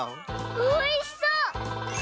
おいしそう！